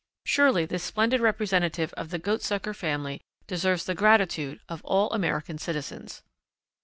Surely this splendid representative of the Goatsucker family deserves the gratitude of all American citizens.